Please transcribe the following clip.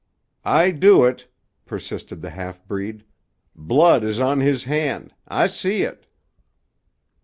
"I do it," persisted the half breed. "Blood is on his han'. I see it."